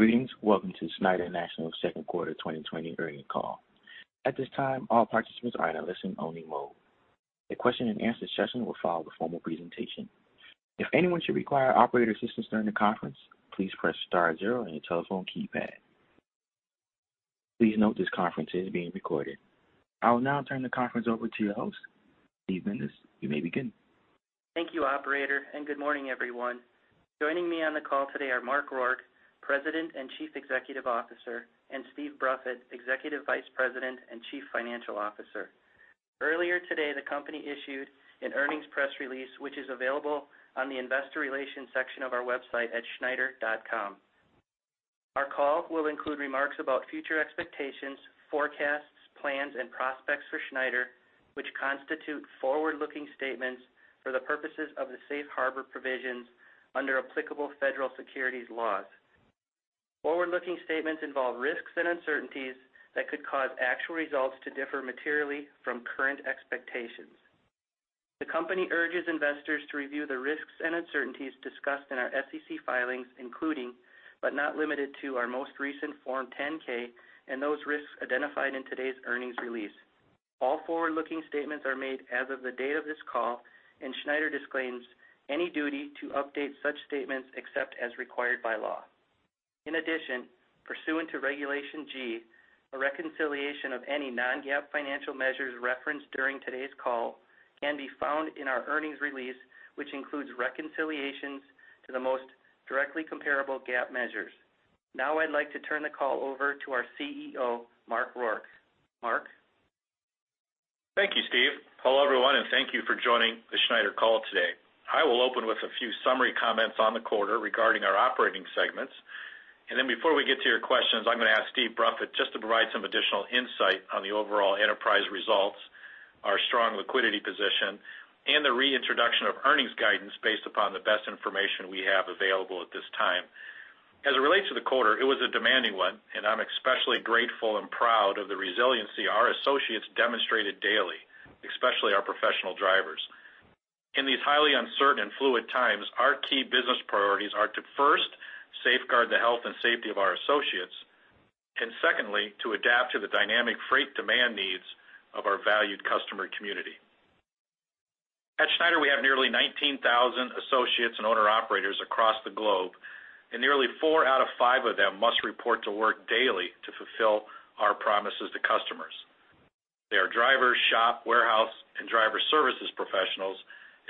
Greetings. Welcome to Schneider National's second quarter 2020 earnings call. At this time, all participants are in a listen-only mode. A question-and-answer session will follow the formal presentation. If anyone should require operator assistance during the conference, please press star zero on your telephone keypad. Please note this conference is being recorded. I will now turn the conference over to your host, Steve Bindas. You may begin. Thank you, operator, and good morning, everyone. Joining me on the call today are Mark Rourke, President and Chief Executive Officer, and Steve Bruffett, Executive Vice President and Chief Financial Officer. Earlier today, the company issued an earnings press release, which is available on the investor relations section of our website at schneider.com. Our call will include remarks about future expectations, forecasts, plans, and prospects for Schneider, which constitute forward-looking statements for the purposes of the safe harbor provisions under applicable federal securities laws. Forward-looking statements involve risks and uncertainties that could cause actual results to differ materially from current expectations. The company urges investors to review the risks and uncertainties discussed in our SEC filings, including, but not limited to, our most recent Form 10-K and those risks identified in today's earnings release. All forward-looking statements are made as of the date of this call, and Schneider disclaims any duty to update such statements except as required by law. In addition, pursuant to Regulation G, a reconciliation of any non-GAAP financial measures referenced during today's call can be found in our earnings release, which includes reconciliations to the most directly comparable GAAP measures. Now I'd like to turn the call over to our CEO, Mark Rourke. Mark? Thank you, Steve. Hello, everyone, and thank you for joining the Schneider call today. I will open with a few summary comments on the quarter regarding our operating segments, and then before we get to your questions, I'm going to ask Steve Bruffett just to provide some additional insight on the overall enterprise results, our strong liquidity position, and the reintroduction of earnings guidance based upon the best information we have available at this time. As it relates to the quarter, it was a demanding one, and I'm especially grateful and proud of the resiliency our associates demonstrated daily, especially our professional drivers. In these highly uncertain and fluid times, our key business priorities are to first, safeguard the health and safety of our associates, and secondly, to adapt to the dynamic freight demand needs of our valued customer community. At Schneider, we have nearly 19,000 associates and owner-operators across the globe, and nearly four out of five of them must report to work daily to fulfill our promises to customers. They are drivers, shop, warehouse, and driver services professionals,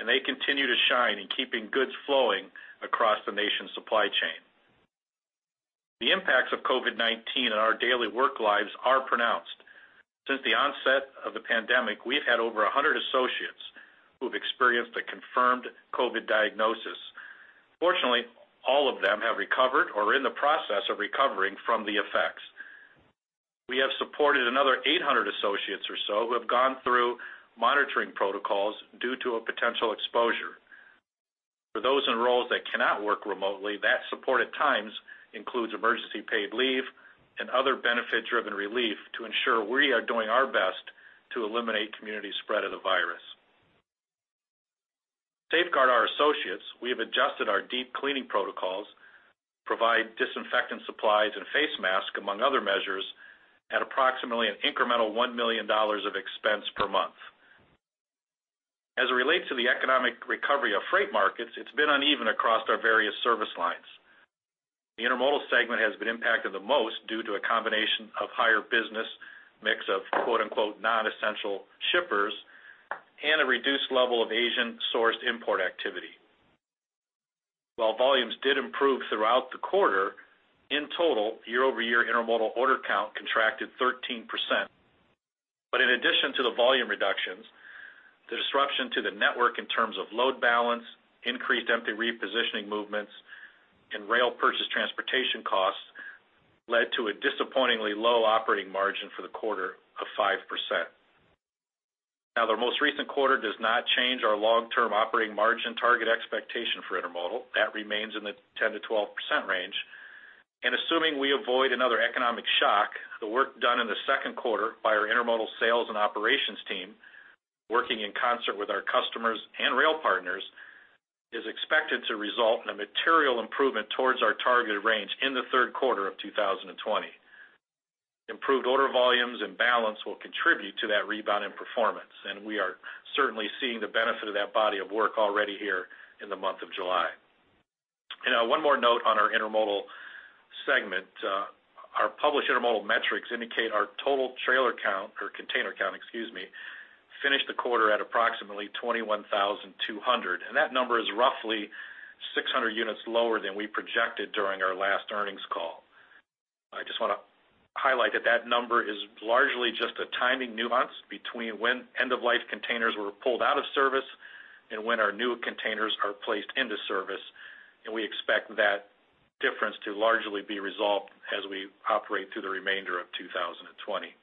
and they continue to shine in keeping goods flowing across the nation's supply chain. The impacts of COVID-19 on our daily work lives are pronounced. Since the onset of the pandemic, we've had over 100 associates who have experienced a confirmed COVID diagnosis. Fortunately, all of them have recovered or are in the process of recovering from the effects. We have supported another 800 associates or so who have gone through monitoring protocols due to a potential exposure. For those in roles that cannot work remotely, that support at times includes emergency paid leave and other benefit-driven relief to ensure we are doing our best to eliminate community spread of the virus. To safeguard our associates, we have adjusted our deep cleaning protocols, provide disinfectant supplies and face masks, among other measures, at approximately an incremental $1 million of expense per month. As it relates to the economic recovery of freight markets, it's been uneven across our various service lines. The intermodal segment has been impacted the most due to a combination of higher business mix of "non-essential shippers" and a reduced level of Asian-sourced import activity. While volumes did improve throughout the quarter, in total, year-over-year intermodal order count contracted 13%. But in addition to the volume reductions, the disruption to the network in terms of load balance, increased empty repositioning movements, and rail purchase transportation costs led to a disappointingly low operating margin for the quarter of 5%. Now, the most recent quarter does not change our long-term operating margin target expectation for intermodal. That remains in the 10%-12% range. And assuming we avoid another economic shock, the work done in the second quarter by our intermodal sales and operations team, working in concert with our customers and rail partners, is expected to result in a material improvement towards our targeted range in the third quarter of 2020. Improved order volumes and balance will contribute to that rebound in performance, and we are certainly seeing the benefit of that body of work already here in the month of July. One more note on our Intermodal segment. Our published Intermodal metrics indicate our total trailer count or container count, excuse me, finished the quarter at approximately 21,200, and that number is roughly 600 units lower than we projected during our last earnings call. I just want to highlight that that number is largely just a timing nuance between when end-of-life containers were pulled out of service and when our new containers are placed into service, and we expect that difference to largely be resolved as we operate through the remainder of 2020.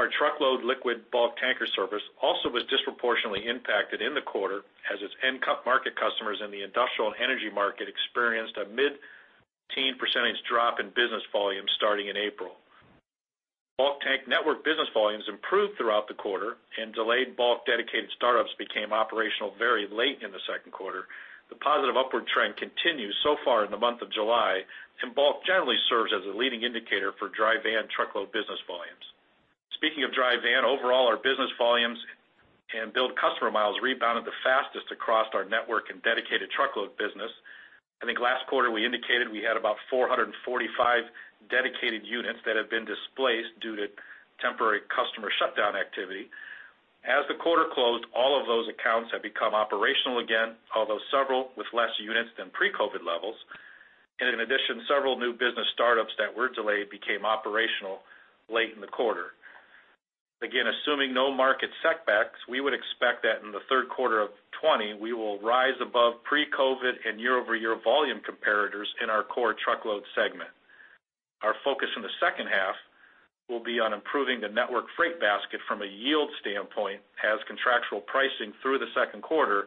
Our truckload liquid bulk tanker service also was disproportionately impacted in the quarter as its end-market customers in the industrial and energy market experienced a mid-teen% drop in business volume starting in April. Bulk tank network business volumes improved throughout the quarter, and delayed bulk dedicated startups became operational very late in the second quarter. The positive upward trend continues so far in the month of July, and bulk generally serves as a leading indicator for dry van truckload business volumes. Speaking of dry van, overall, our business volumes and build customer miles rebounded the fastest across our network and dedicated truckload business. I think last quarter, we indicated we had about 445 dedicated units that had been displaced due to temporary customer shutdown activity. As the quarter closed, all of those accounts have become operational again, although several with less units than pre-COVID levels. In addition, several new business startups that were delayed became operational late in the quarter. Again, assuming no market setbacks, we would expect that in the third quarter of 2020, we will rise above pre-COVID and year-over-year volume comparators in our core truckload segment. Our focus in the second half will be on improving the network freight basket from a yield standpoint, as contractual pricing through the second quarter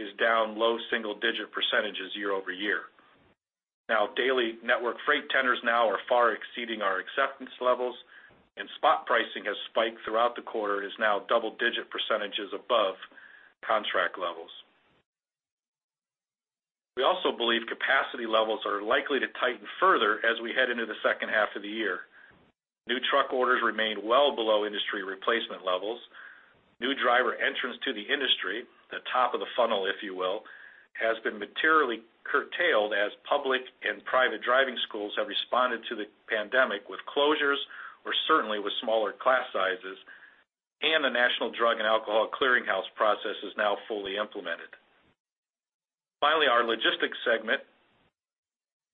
is down low single-digit percentages year-over-year. Now, daily network freight tenders are far exceeding our acceptance levels, and spot pricing has spiked throughout the quarter and is now double-digit percentages above contract levels. We also believe capacity levels are likely to tighten further as we head into the second half of the year. New truck orders remain well below industry replacement levels. New driver entrance to the industry, the top of the funnel, if you will, has been materially curtailed as public and private driving schools have responded to the pandemic with closures or certainly with smaller class sizes, and the National Drug and Alcohol Clearinghouse process is now fully implemented. Finally, our logistics segment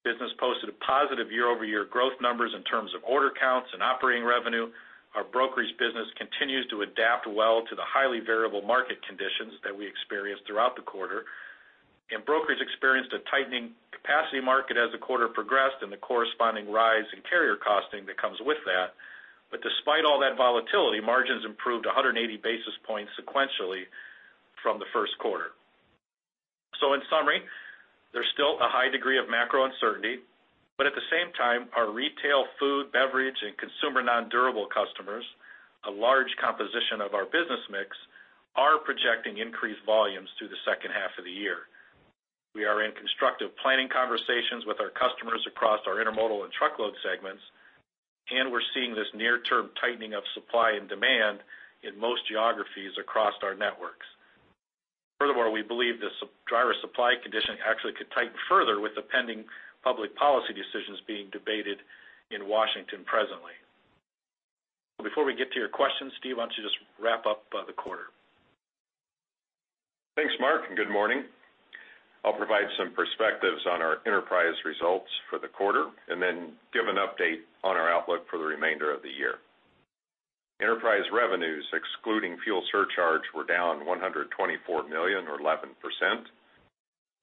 business posted a positive year-over-year growth numbers in terms of order counts and operating revenue. Our brokerage business continues to adapt well to the highly variable market conditions that we experienced throughout the quarter, and brokers experienced a tightening capacity market as the quarter progressed and the corresponding rise in carrier costing that comes with that. But despite all that volatility, margins improved 180 basis points sequentially from the first quarter. So in summary, there's still a high degree of macro uncertainty, but at the same time, our retail, food, beverage, and consumer non-durable customers, a large composition of our business mix, are projecting increased volumes through the second half of the year. We are in constructive planning conversations with our customers across our intermodal and truckload segments, and we're seeing this near-term tightening of supply and demand in most geographies across our networks. Furthermore, we believe this driver supply condition actually could tighten further with the pending public policy decisions being debated in Washington presently. Before we get to your questions, Steve, why don't you just wrap up, the quarter? Thanks, Mark, and good morning. I'll provide some perspectives on our enterprise results for the quarter and then give an update on our outlook for the remainder of the year. Enterprise revenues, excluding fuel surcharge, were down $124 million or 11%.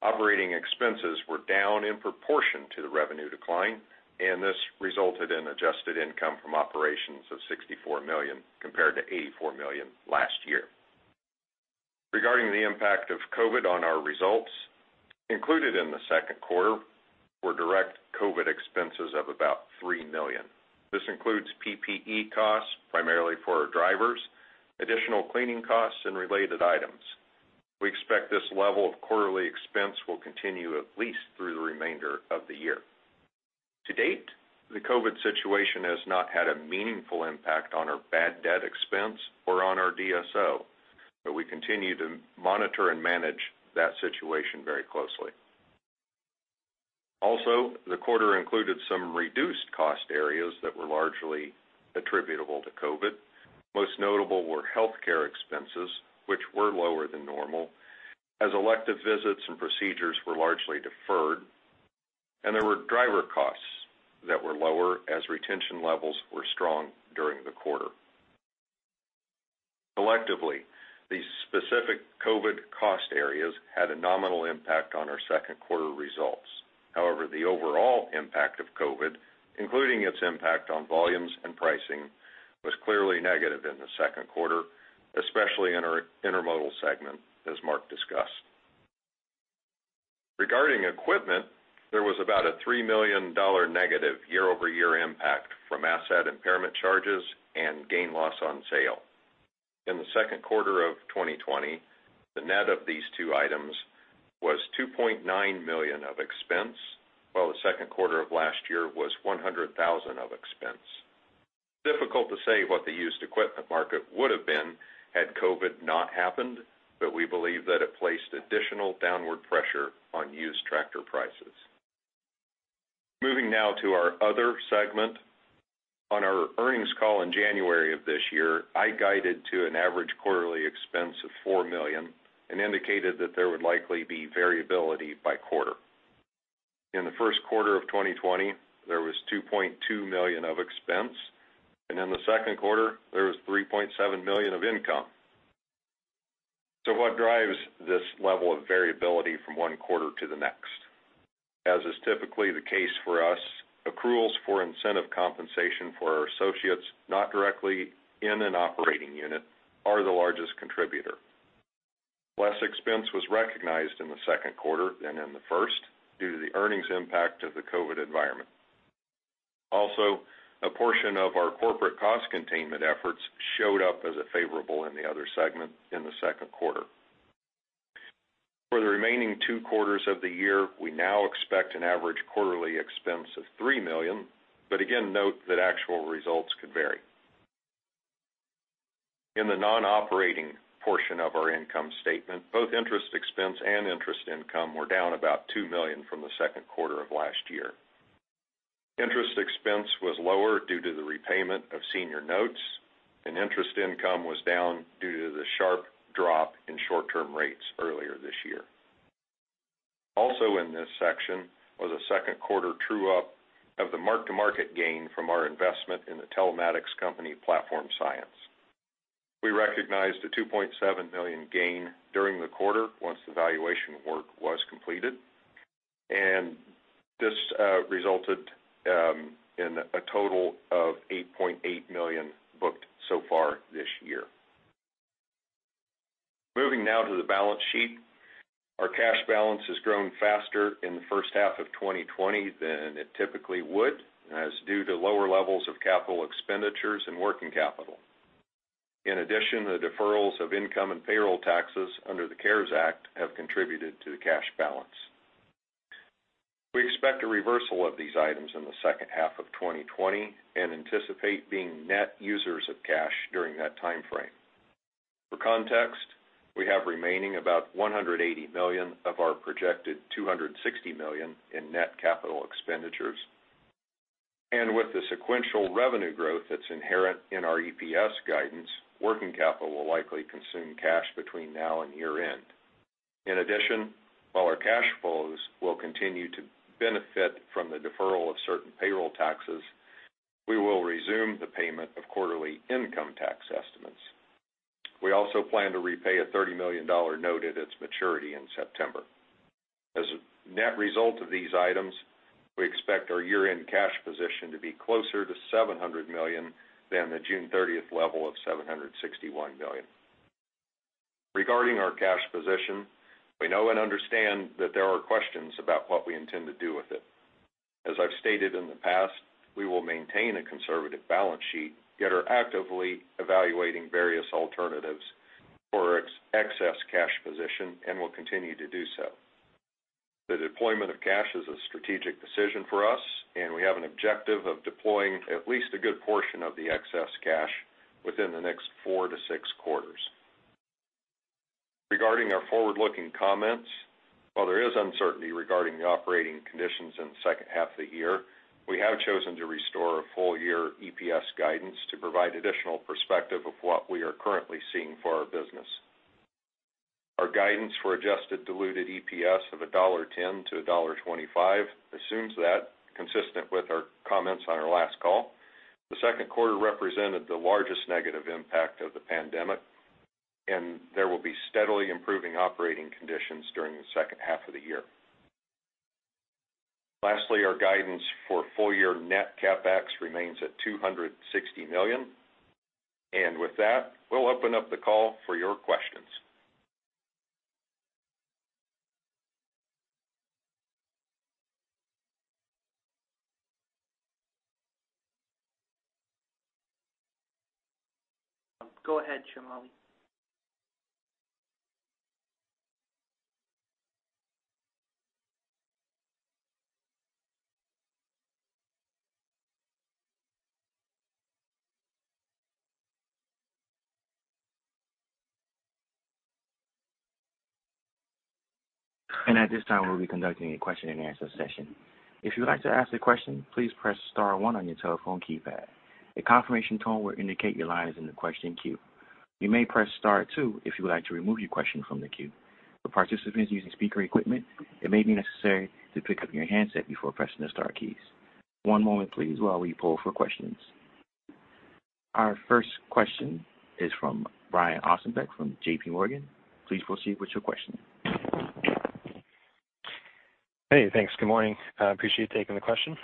Operating expenses were down in proportion to the revenue decline, and this resulted in adjusted income from operations of $64 million, compared to $84 million last year. Regarding the impact of COVID on our results, included in the second quarter were direct COVID expenses of about $3 million. This includes PPE costs, primarily for our drivers, additional cleaning costs, and related items. We expect this level of quarterly expense will continue at least through the remainder of the year. To date, the COVID situation has not had a meaningful impact on our bad debt expense or on our DSO, but we continue to monitor and manage that situation very closely. Also, the quarter included some reduced cost areas that were largely attributable to COVID. Most notable were healthcare expenses, which were lower than normal, as elective visits and procedures were largely deferred, and there were driver costs that were lower as retention levels were strong during the quarter. Collectively, these specific COVID cost areas had a nominal impact on our second quarter results. However, the overall impact of COVID, including its impact on volumes and pricing, was clearly negative in the second quarter, especially in our intermodal segment, as Mark discussed. Regarding equipment, there was about a $3 million negative year-over-year impact from asset impairment charges and gain loss on sale. In the second quarter of 2020, the net of these two items was $2.9 million of expense, while the second quarter of last year was $100,000 of expense. Difficult to say what the used equipment market would have been had COVID not happened, but we believe that it placed additional downward pressure on used tractor prices. Moving now to our other segment. On our earnings call in January of this year, I guided to an average quarterly expense of $4 million and indicated that there would likely be variability by quarter. In the first quarter of 2020, there was $2.2 million of expense, and in the second quarter, there was $3.7 million of income. So what drives this level of variability from one quarter to the next? As is typically the case for us, accruals for incentive compensation for our associates, not directly in an operating unit, are the largest contributor. Less expense was recognized in the second quarter than in the first, due to the earnings impact of the COVID environment. Also, a portion of our corporate cost containment efforts showed up as a favorable in the other segment in the second quarter. For the remaining two quarters of the year, we now expect an average quarterly expense of $3 million, but again, note that actual results could vary. In the non-operating portion of our income statement, both interest expense and interest income were down about $2 million from the second quarter of last year. Interest expense was lower due to the repayment of senior notes, and interest income was down due to the sharp drop in short-term rates earlier this year. Also in this section was a second quarter true-up of the mark-to-market gain from our investment in the telematics company, Platform Science. We recognized a $2.7 million gain during the quarter once the valuation work was completed, and this resulted in a total of $8.8 million booked so far this year. Moving now to the balance sheet. Our cash balance has grown faster in the first half of 2020 than it typically would, and that's due to lower levels of capital expenditures and working capital. In addition, the deferrals of income and payroll taxes under the CARES Act have contributed to the cash balance. We expect a reversal of these items in the second half of 2020 and anticipate being net users of cash during that time frame. For context, we have remaining about $180 million of our projected $260 million in net capital expenditures. With the sequential revenue growth that's inherent in our EPS guidance, working capital will likely consume cash between now and year-end. In addition, while our cash flows will continue to benefit from the deferral of certain payroll taxes, we will resume the payment of quarterly income tax estimates. We also plan to repay a $30 million note at its maturity in September. As a net result of these items, we expect our year-end cash position to be closer to $700 million than the June 30th level of $761 million. Regarding our cash position, we know and understand that there are questions about what we intend to do with it. As I've stated in the past, we will maintain a conservative balance sheet, yet are actively evaluating various alternatives for its excess cash position and will continue to do so. The deployment of cash is a strategic decision for us, and we have an objective of deploying at least a good portion of the excess cash within the next four-six quarters. Regarding our forward-looking comments, while there is uncertainty regarding the operating conditions in the second half of the year, we have chosen to restore a full-year EPS guidance to provide additional perspective of what we are currently seeing for our business. Our guidance for Adjusted Diluted EPS of $1.10-$1.25 assumes that, consistent with our comments on our last call, the second quarter represented the largest negative impact of the pandemic, and there will be steadily improving operating conditions during the second half of the year. Lastly, our guidance for full year net CapEx remains at $260 million. And with that, we'll open up the call for your questions. Go ahead, Shamoli. At this time, we'll be conducting a question-and-answer session. If you'd like to ask a question, please press star one on your telephone keypad. A confirmation tone will indicate your line is in the question queue. You may press star two if you would like to remove your question from the queue. For participants using speaker equipment, it may be necessary to pick up your handset before pressing the star keys. One moment please while we poll for questions. Our first question is from Brian Ossenbeck from JPMorgan Chase & Co.. Please proceed with your question. Hey, thanks. Good morning. I appreciate you taking the question.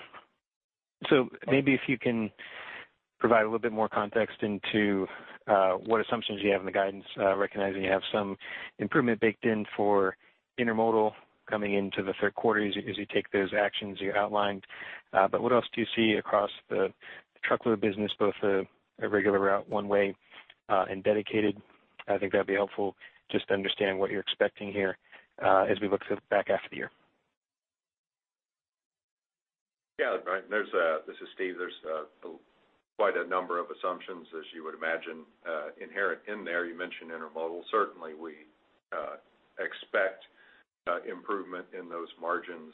So maybe if you can provide a little bit more context into what assumptions you have in the guidance, recognizing you have some improvement baked in for intermodal coming into the third quarter as you take those actions you outlined. But what else do you see across the truckload business, both the regular route, one way, and dedicated? I think that'd be helpful just to understand what you're expecting here, as we look to the back half of the year. Yeah, Brian, there's a... This is Steve. There's quite a number of assumptions, as you would imagine, inherent in there. You mentioned intermodal. Certainly, we expect improvement in those margins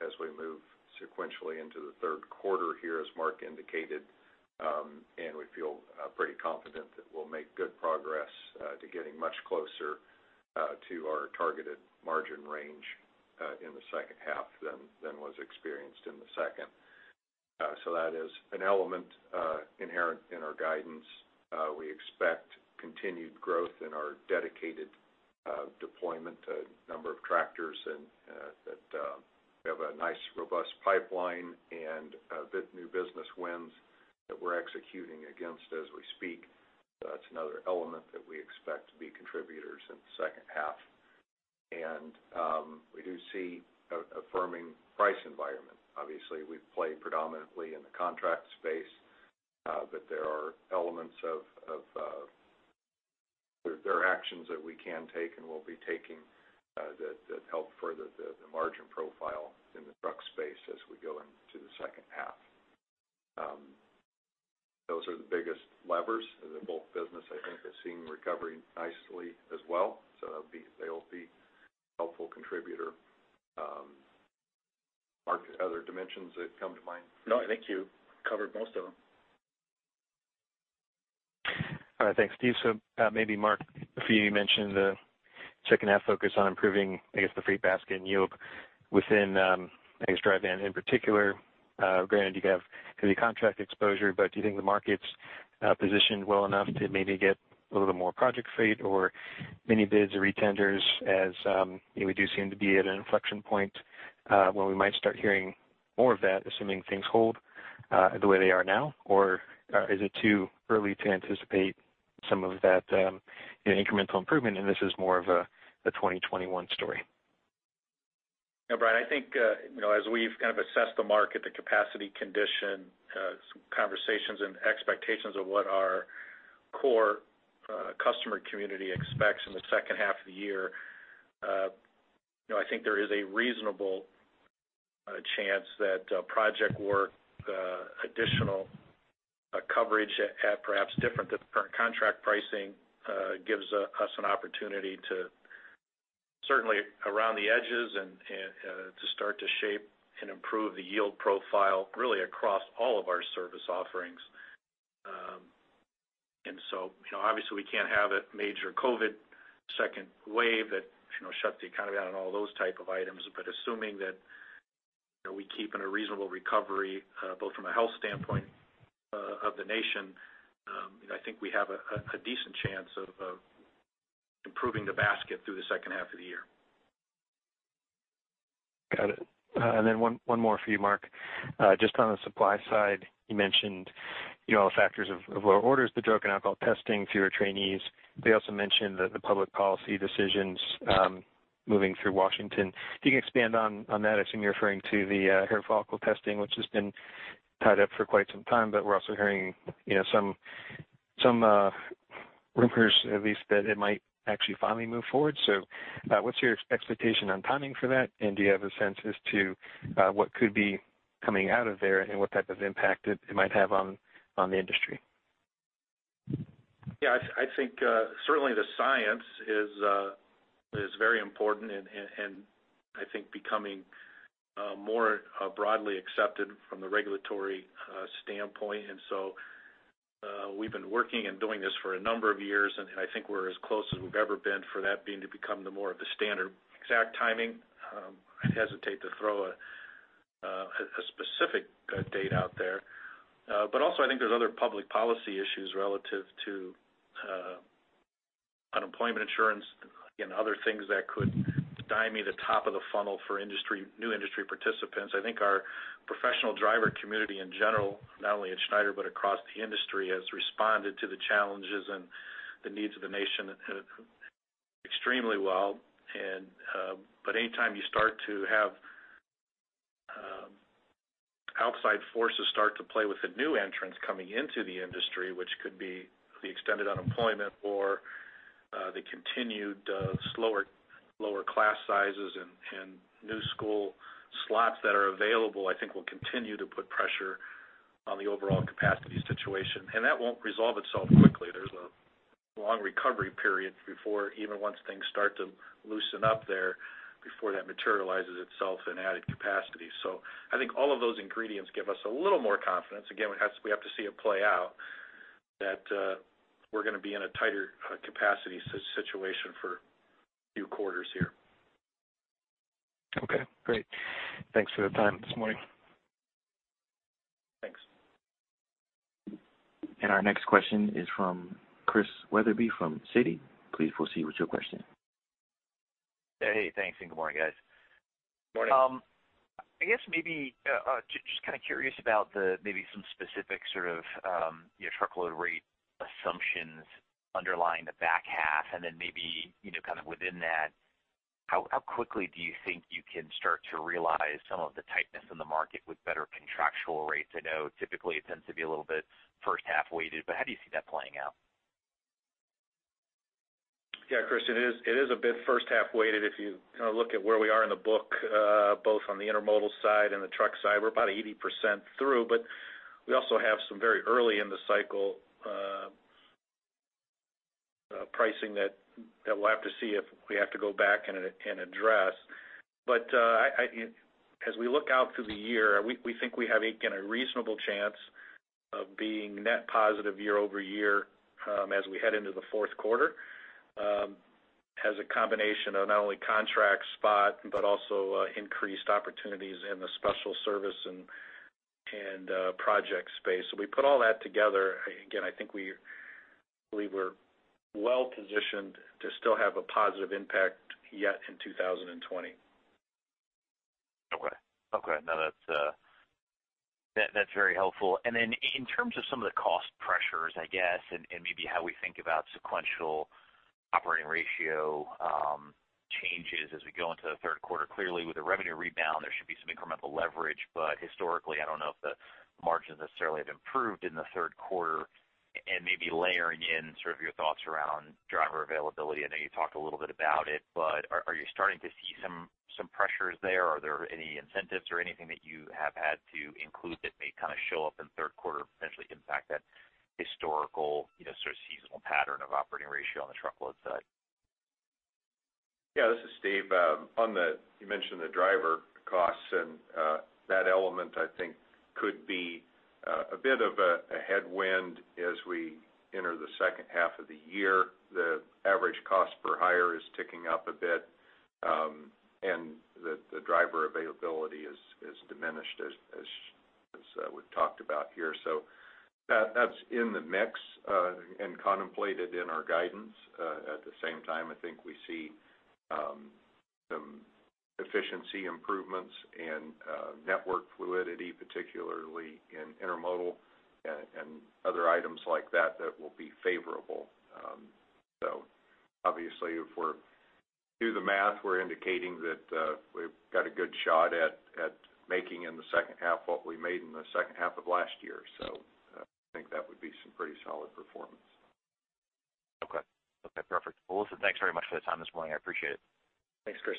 as we move sequentially into the third quarter here, as Mark indicated, and we feel pretty confident that we'll make good progress to getting much closer to our targeted margin range in the second half than was experienced in the second. So that is an element inherent in our guidance. We expect continued growth in our dedicated deployment number of tractors and-... We have a nice, robust pipeline and a bit of new business wins that we're executing against as we speak. That's another element that we expect to be contributors in the second half. And we do see a firming price environment. Obviously, we play predominantly in the contract space, but there are elements of there are actions that we can take and will be taking that help further the margin profile in the truck space as we go into the second half. Those are the biggest levers, and the Bulk business, I think, is seeing recovery nicely as well, so that'll be- they'll be a helpful contributor. Mark, other dimensions that come to mind? No, I think you covered most of them. All right, thanks, Steve. So, maybe Mark, for you, you mentioned the second half focus on improving, I guess, the freight basket and yield within, I guess, dry van in particular. Granted, you have heavy contract exposure, but do you think the market's positioned well enough to maybe get a little more project freight or many bids or retenders as, you know, we do seem to be at an inflection point, where we might start hearing more of that, assuming things hold, the way they are now? Or, is it too early to anticipate some of that, you know, incremental improvement, and this is more of a 2021 story? Yeah, Brian, I think, you know, as we've kind of assessed the market, the capacity condition, some conversations and expectations of what our core, customer community expects in the second half of the year, you know, I think there is a reasonable, chance that, project work, additional, coverage at perhaps different than current contract pricing, gives, us an opportunity to certainly around the edges and, and, to start to shape and improve the yield profile, really across all of our service offerings. And so, you know, obviously, we can't have a major COVID second wave that, you know, shuts the economy down and all those type of items. But assuming that, you know, we keep in a reasonable recovery, both from a health standpoint, of the nation, I think we have a decent chance of improving the basket through the second half of the year. Got it. And then one more for you, Mark. Just on the supply side, you mentioned, you know, all the factors of lower orders, the drug and alcohol testing, fewer trainees. They also mentioned that the public policy decisions moving through Washington. Can you expand on that? I assume you're referring to the hair follicle testing, which has been tied up for quite some time, but we're also hearing, you know, some rumors, at least, that it might actually finally move forward. So, what's your expectation on timing for that, and do you have a sense as to what could be coming out of there, and what type of impact it might have on the industry? Yeah, I think certainly the science is very important, and I think becoming more broadly accepted from the regulatory standpoint. And so, we've been working and doing this for a number of years, and I think we're as close as we've ever been for that being to become the more of the standard. Exact timing, I'd hesitate to throw a specific date out there. But also, I think there's other public policy issues relative to unemployment insurance and other things that could stymie the top of the funnel for industry-new industry participants. I think our professional driver community in general, not only at Schneider, but across the industry, has responded to the challenges and the needs of the nation extremely well. Anytime you start to have outside forces start to play with the new entrants coming into the industry, which could be the extended unemployment or the continued slower lower class sizes and new school slots that are available, I think will continue to put pressure on the overall capacity situation. And that won't resolve itself quickly. There's a long recovery period before, even once things start to loosen up there, before that materializes itself in added capacity. So I think all of those ingredients give us a little more confidence, again, we have, we have to see it play out, that we're gonna be in a tighter capacity situation for a few quarters here. Okay, great. Thanks for the time this morning. Thanks. Our next question is from Chris Wetherbee, from Citi. Please proceed with your question. Hey, thanks, and good morning, guys. Good morning. I guess maybe just kind of curious about the, maybe some specific sort of, you know, truckload rate assumptions underlying the back half, and then maybe, you know, kind of within that, how quickly do you think you can start to realize some of the tightness in the market with better contractual rates? I know typically it tends to be a little bit first half-weighted, but how do you see that playing out? Yeah, Chris, it is, it is a bit first half-weighted. If you kind of look at where we are in the book, both on the intermodal side and the truck side, we're about 80% through, but we also have some very early in the cycle, pricing that we'll have to see if we have to go back and address. But, as we look out through the year, we think we have, again, a reasonable chance of being net positive year-over-year, as we head into the fourth quarter. As a combination of not only contract spot, but also, increased opportunities in the special service and project space. So we put all that together, again, I think we believe we're well positioned to still have a positive impact yet in 2020. Okay. Okay, now that's very helpful. And then in terms of some of the cost pressures, I guess, and maybe how we think about sequential operating ratio changes as we go into the third quarter. Clearly, with the revenue rebound, there should be some incremental leverage, but historically, I don't know if the margins necessarily have improved in the third quarter, and maybe layering in sort of your thoughts around driver availability. I know you talked a little bit about it, but are you starting to see some pressures there? Are there any incentives or anything that you have had to include that may kind of show up in third quarter, potentially impact that historical, you know, sort of seasonal pattern of operating ratio on the truckload side? Yeah, this is Steve. On the, you mentioned the driver costs, and that element, I think, could be a bit of a headwind as we enter the second half of the year. The average cost per hire is ticking up a bit, and the driver availability is diminished as we've talked about here. So that's in the mix, and contemplated in our guidance. At the same time, I think we see some efficiency improvements and network fluidity, particularly in intermodal and other items like that, that will be favorable. So obviously, if we're do the math, we're indicating that we've got a good shot at making in the second half what we made in the second half of last year. So I think that would be some pretty solid performance. Okay. Okay, perfect. Well, listen, thanks very much for the time this morning. I appreciate it. Thanks, Chris.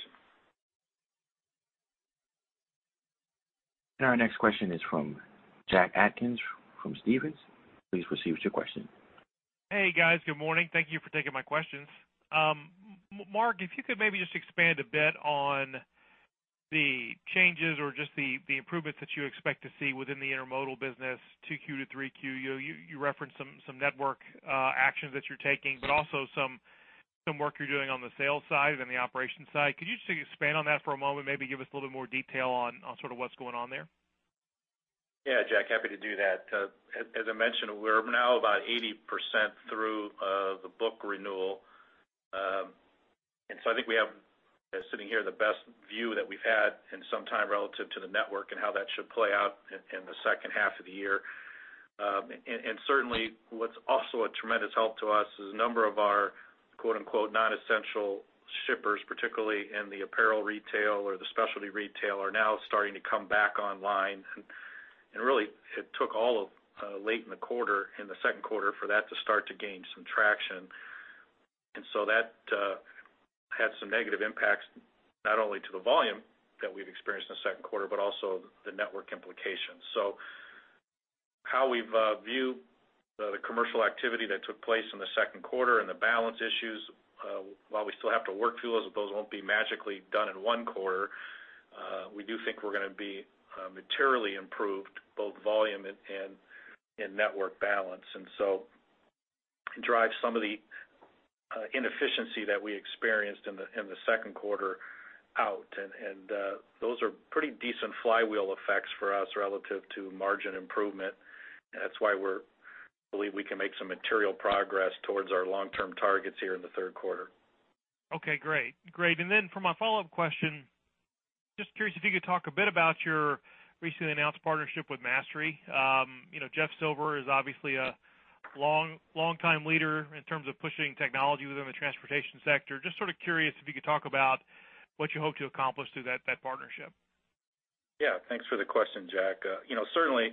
Our next question is from Jack Atkins, from Stephens. Please proceed with your question. Hey, guys, good morning. Thank you for taking my questions. Mark, if you could maybe just expand a bit on the changes or just the improvements that you expect to see within the intermodal business, 2Q to 3Q. You referenced some network actions that you're taking, but also some work you're doing on the sales side and the operations side. Could you just expand on that for a moment? Maybe give us a little bit more detail on sort of what's going on there. Yeah, Jack, happy to do that. As, as I mentioned, we're now about 80% through the book renewal. And so I think we have, sitting here, the best view that we've had in some time relative to the network and how that should play out in the second half of the year. And certainly, what's also a tremendous help to us is a number of our, quote, unquote, "non-essential shippers," particularly in the apparel retail or the specialty retail, are now starting to come back online. And really, it took all of late in the quarter, in the second quarter, for that to start to gain some traction. And so that had some negative impacts, not only to the volume that we've experienced in the second quarter, but also the network implications. So how we've viewed the commercial activity that took place in the second quarter and the balance issues, while we still have to work through those, those won't be magically done in one quarter, we do think we're going to be materially improved, both volume and network balance. And so drive some of the inefficiency that we experienced in the second quarter out, and those are pretty decent flywheel effects for us relative to margin improvement. And that's why we believe we can make some material progress towards our long-term targets here in the third quarter. Okay, great. Great, and then for my follow-up question, just curious if you could talk a bit about your recently announced partnership with Mastery. You know, Jeff Silver is obviously a longtime leader in terms of pushing technology within the transportation sector. Just sort of curious if you could talk about what you hope to accomplish through that partnership. Yeah, thanks for the question, Jack. You know, certainly,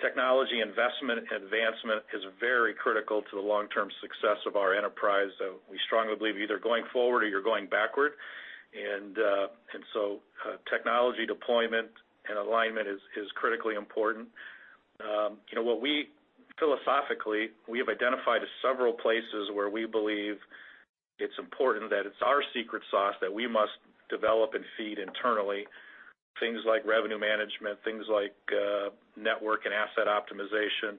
technology investment and advancement is very critical to the long-term success of our enterprise. So we strongly believe either going forward or you're going backward, and technology deployment and alignment is critically important. You know, what we, philosophically, we have identified several places where we believe it's important, that it's our secret sauce, that we must develop and feed internally, things like revenue management, things like network and asset optimization,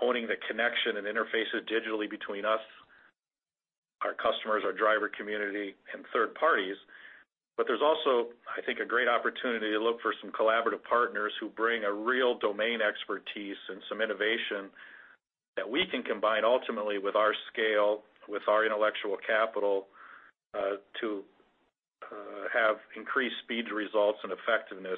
owning the connection and interfaces digitally between us, our customers, our driver community, and third parties. But there's also, I think, a great opportunity to look for some collaborative partners who bring a real domain expertise and some innovation that we can combine ultimately with our scale, with our intellectual capital, to have increased speed to results and effectiveness.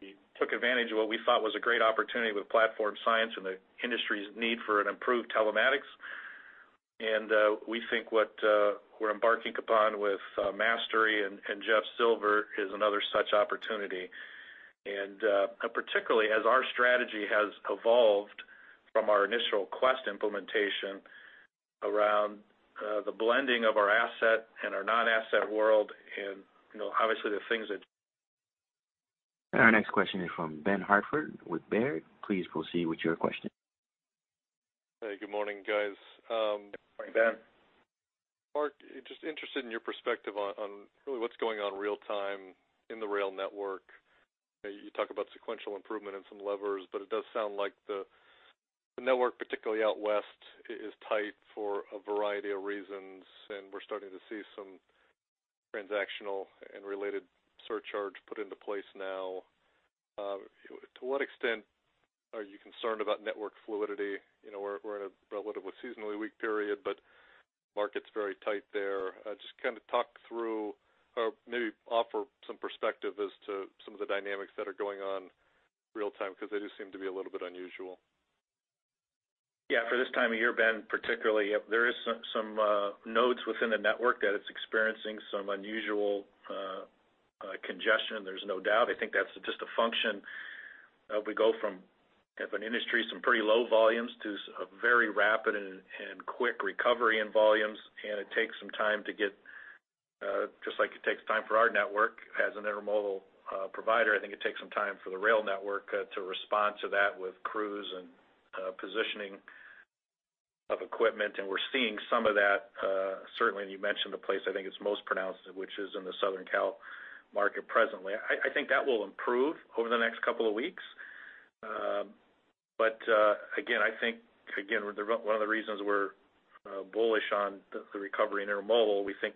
We took advantage of what we thought was a great opportunity with Platform Science and the industry's need for an improved telematics. We think what we're embarking upon with Mastery and Jeff Silver is another such opportunity. Particularly as our strategy has evolved from our initial Quest implementation around the blending of our asset and our non-asset world, you know, obviously the things that- Our next question is from Ben Hartford with Baird. Please proceed with your question. Hey, good morning, guys. Morning, Ben. Mark, just interested in your perspective on really what's going on real time in the rail network. You talk about sequential improvement in some levers, but it does sound like the network, particularly out west, is tight for a variety of reasons, and we're starting to see some transactional and related surcharge put into place now. To what extent are you concerned about network fluidity? You know, we're in a relatively seasonally weak period, but market's very tight there. Just kind of talk through or maybe offer some perspective as to some of the dynamics that are going on real time, because they do seem to be a little bit unusual. Yeah, for this time of year, Ben, particularly, yep, there is some nodes within the network that it's experiencing some unusual congestion. There's no doubt. I think that's just a function of we go from, as an industry, some pretty low volumes to a very rapid and quick recovery in volumes, and it takes some time to get, just like it takes time for our network as an intermodal provider, I think it takes some time for the rail network to respond to that with crews and positioning of equipment, and we're seeing some of that. Certainly, you mentioned the place, I think it's most pronounced, which is in the Southern Cal market presently. I think that will improve over the next couple of weeks. But again, I think again, one of the reasons we're bullish on the recovery in intermodal, we think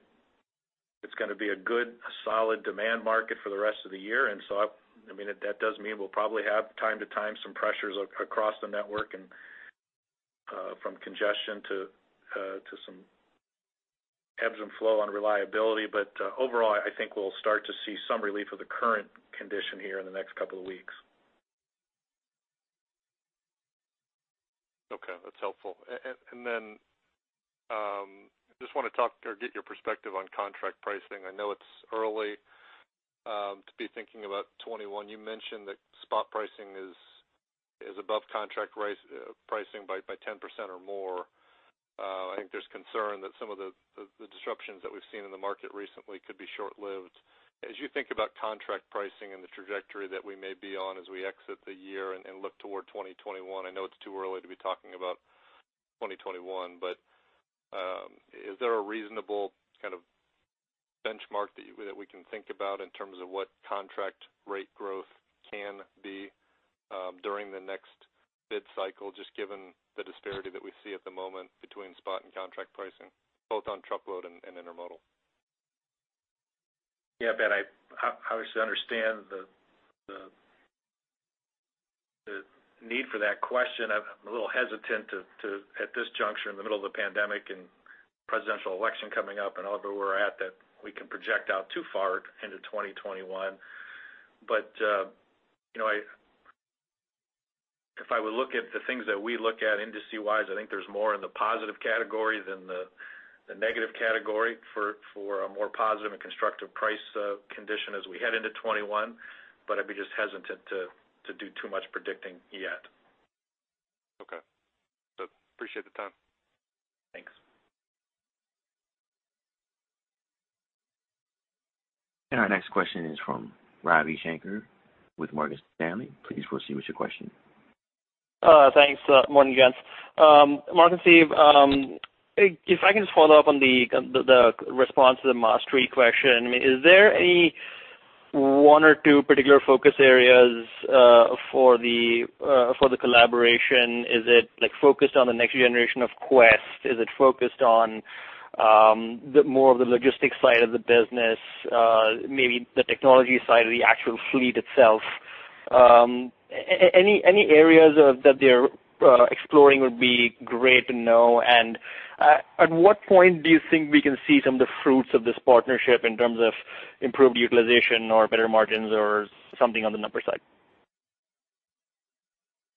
it's gonna be a good, solid demand market for the rest of the year. And so, I mean, that does mean we'll probably have time to time some pressures across the network and from congestion to some ebbs and flow on reliability. But overall, I think we'll start to see some relief of the current condition here in the next couple of weeks. Okay, that's helpful. And then just want to talk or get your perspective on contract pricing. I know it's early to be thinking about 2021. You mentioned that spot pricing is above contract pricing by 10% or more. I think there's concern that some of the disruptions that we've seen in the market recently could be short-lived. As you think about contract pricing and the trajectory that we may be on as we exit the year and look toward 2021, I know it's too early to be talking about 2021, but is there a reasonable kind of benchmark that we can think about in terms of what contract rate growth can be during the next bid cycle, just given the disparity that we see at the moment between spot and contract pricing, both on truckload and intermodal? Yeah, Ben, I obviously understand the need for that question. I'm a little hesitant to at this juncture, in the middle of the pandemic and presidential election coming up, and however we're at, that we can project out too far into 2021. But, you know, I... If I would look at the things that we look at industry-wise, I think there's more in the positive category than the negative category for a more positive and constructive price condition as we head into 2021, but I'd be just hesitant to do too much predicting yet. Okay. So appreciate the time. Thanks. Our next question is from Ravi Shanker with Morgan Stanley. Please proceed with your question. Thanks. Morning, gents. Mark and Steve, if I can just follow up on the response to the Mastery question. Is there any one or two particular focus areas for the collaboration? Is it, like, focused on the next generation of Quest? Is it focused on the more of the logistics side of the business, maybe the technology side of the actual fleet itself? Any areas that they're exploring would be great to know. And at what point do you think we can see some of the fruits of this partnership in terms of improved utilization or better margins or something on the numbers side?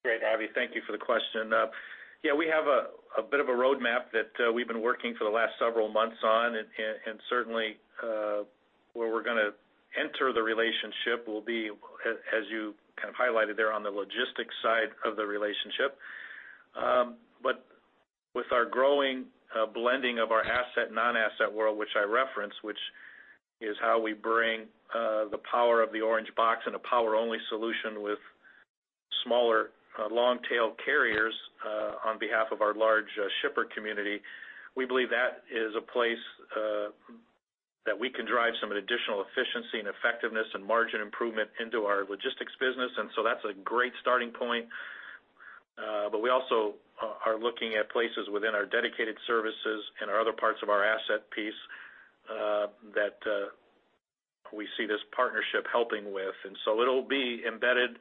Great, Ravi, thank you for the question. Yeah, we have a bit of a roadmap that we've been working for the last several months on, and certainly where we're gonna enter the relationship will be, as you kind of highlighted there, on the logistics side of the relationship. But with our growing blending of our asset, non-asset world, which I referenced, which is how we bring the power of the Orange Box and a power-only solution with smaller long-tail carriers on behalf of our large shipper community, we believe that is a place that we can drive some additional efficiency and effectiveness and margin improvement into our logistics business, and so that's a great starting point. But we also are looking at places within our dedicated services and our other parts of our asset piece that we see this partnership helping with. And so it'll be embedded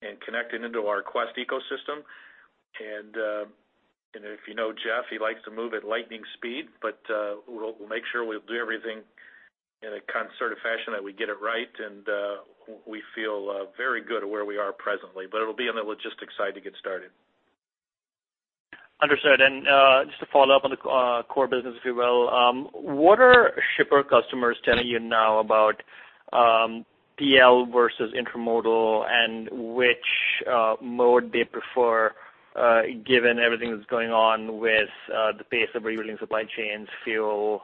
and connected into our Quest ecosystem. And if you know Jeff, he likes to move at lightning speed, but we'll make sure we'll do everything in a concerted fashion, that we get it right, and we feel very good at where we are presently. But it'll be on the logistics side to get started. Understood. Just to follow up on the core business, if you will, what are shipper customers telling you now about TL versus intermodal and which mode they prefer, given everything that's going on with the pace of reviewing supply chains, fuel,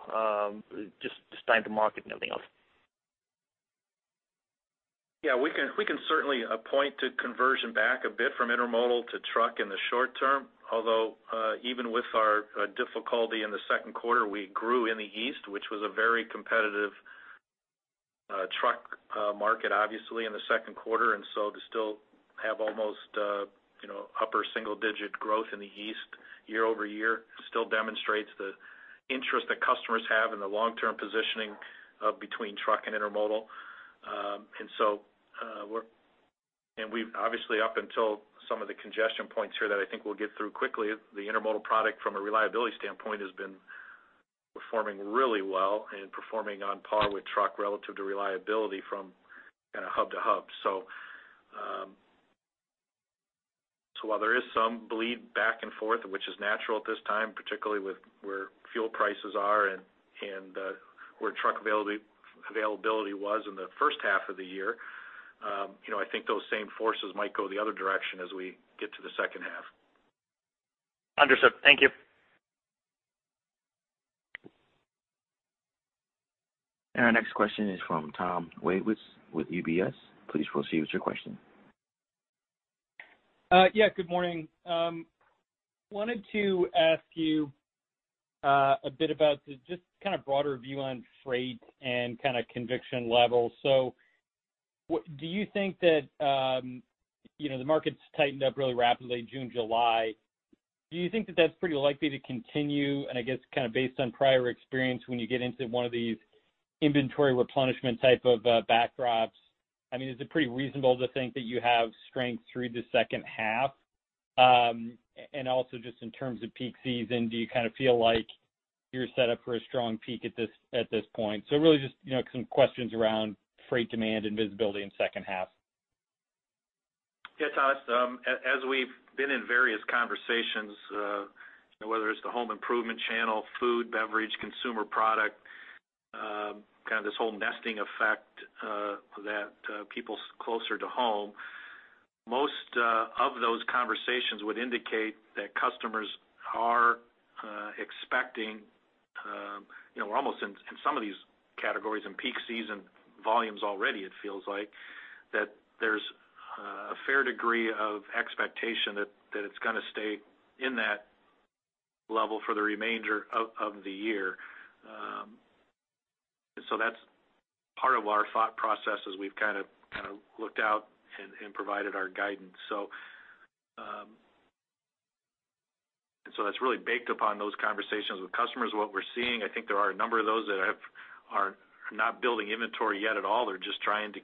just time to market and everything else? Yeah, we can, we can certainly point to conversion back a bit from intermodal to truck in the short term, although, even with our difficulty in the second quarter, we grew in the East, which was a very competitive truck market, obviously, in the second quarter. And so to still have almost, you know, upper single-digit growth in the East, year-over-year, still demonstrates the interest that customers have in the long-term positioning between truck and intermodal. And so we've obviously, up until some of the congestion points here that I think we'll get through quickly, the intermodal product from a reliability standpoint has been performing really well and performing on par with truck relative to reliability from kind of hub to hub. So while there is some bleed back and forth, which is natural at this time, particularly with where fuel prices are and where truck availability was in the first half of the year, you know, I think those same forces might go the other direction as we get to the second half. Understood. Thank you. Our next question is from Tom Wadewitz with UBS. Please proceed with your question. Yeah, good morning. Wanted to ask you a bit about the just kind of broader view on freight and kind of conviction level. So what do you think that, you know, the market's tightened up really rapidly, June, July. Do you think that that's pretty likely to continue? And I guess, kind of based on prior experience, when you get into one of these inventory replenishment type of backdrops, I mean, is it pretty reasonable to think that you have strength through the second half? And also, just in terms of peak season, do you kind of feel like you're set up for a strong peak at this, at this point? So really just, you know, some questions around freight demand and visibility in second half. Yeah, Tom, as we've been in various conversations, whether it's the home improvement channel, food, beverage, consumer product, kind of this whole nesting effect, that people closer to home, most of those conversations would indicate that customers are expecting, you know, we're almost in, in some of these categories, in peak season volumes already, it feels like, that there's a fair degree of expectation that it's going to stay in that level for the remainder of the year. And so that's part of our thought process as we've kind of looked out and provided our guidance. So, and so that's really baked upon those conversations with customers. What we're seeing, I think there are a number of those that are not building inventory yet at all. They're just trying to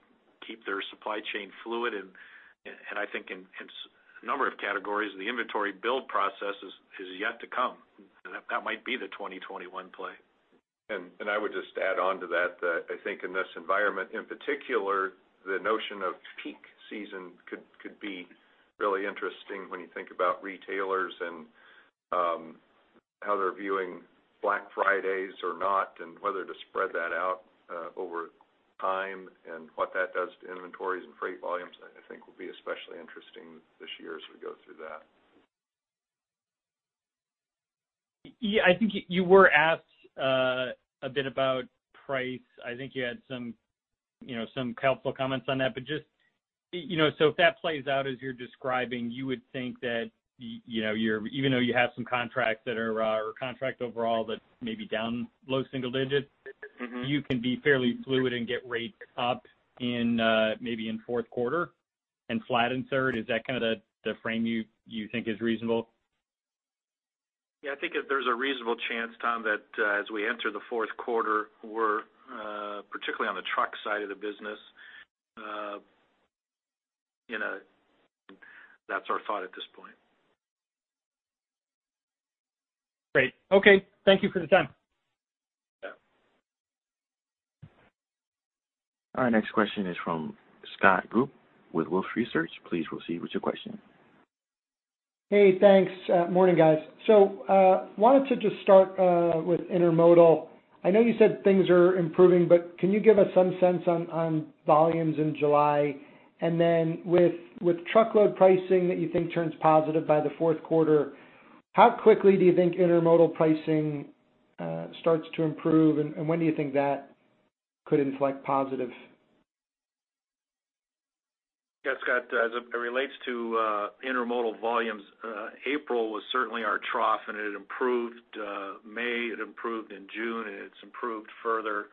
keep their supply chain fluid. I think in number of categories, the inventory build process is yet to come. That might be the 2021 play. And I would just add on to that, that I think in this environment, in particular, the notion of peak season could be really interesting when you think about retailers and how they're viewing Black Fridays or not, and whether to spread that out over time, and what that does to inventories and freight volumes. I think will be especially interesting this year as we go through that. Yeah, I think you, you were asked, a bit about price. I think you had some, you know, some helpful comments on that. But just, you know, so if that plays out as you're describing, you would think that, you know, you're even though you have some contracts that are, or contract overall, that may be down low single digits- Mm-hmm. You can be fairly fluid and get rates up in, maybe in fourth quarter and flat in third. Is that kind of the frame you think is reasonable? Yeah, I think there's a reasonable chance, Tom, that, as we enter the fourth quarter, we're, particularly on the truck side of the business, you know, that's our thought at this point. Great. Okay, thank you for the time. Yeah. Our next question is from Scott Group with Wolfe Research. Please proceed with your question. Hey, thanks. Morning, guys. So, wanted to just start with intermodal. I know you said things are improving, but can you give us some sense on volumes in July? And then with truckload pricing that you think turns positive by the fourth quarter, how quickly do you think intermodal pricing starts to improve, and when do you think that could inflect positive? Yeah, Scott, as it relates to intermodal volumes, April was certainly our trough, and it improved May, it improved in June, and it's improved further